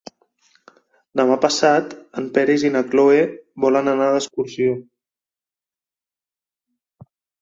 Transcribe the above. Demà passat en Peris i na Cloè volen anar d'excursió.